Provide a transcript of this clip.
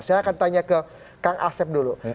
saya akan tanya ke kang asep dulu